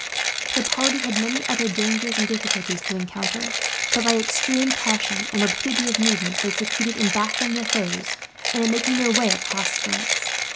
The party had many other dangers and difficulties to encounter but, by extreme caution and rapidity of movement, they succeeded in baffling their foes, and in making their way across France.